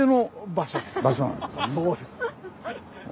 そうです。